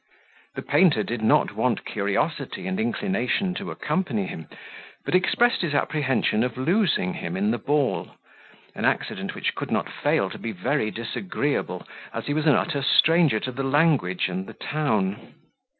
The painter did not want curiosity and inclination to accompany him, but expressed his apprehension of losing him in the ball; an accident which could not fail to be very disagreeable, as he was an utter stranger to the language and the town.